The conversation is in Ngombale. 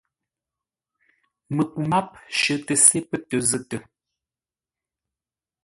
Məku máp shətə se pə́ tə zətə.